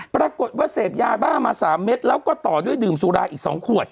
ปรากฏว่าเสพยาบ้ามา๓เม็ดแล้วก็ต่อด้วยดื่มสุราอีก๒ขวด